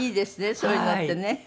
そういうのってね。